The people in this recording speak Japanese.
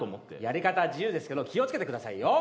やり方は自由ですけど気を付けてくださいよ。